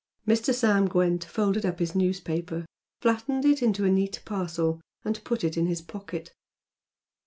Mr. Sam Gwent folded up his newspaper, flattened it into a neat parcel, and put it in his pocket.